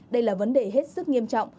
đây là vấn đề hết sức nghiêm trọng